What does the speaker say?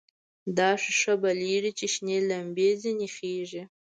داسې ښه بلېږي چې شنې لمبې ځنې خېژي.